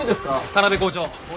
田邊校長。